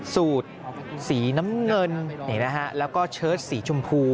สูตรสีน้ำเงินแล้วก็เชิดสีชมพู